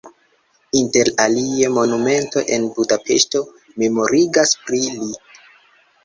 Inter alie monumento en Budapeŝto memorigas pri li.